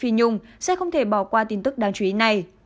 phi nhung sẽ không thể bỏ qua tin tức đáng chú ý này